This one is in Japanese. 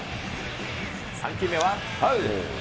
３球目はファウル。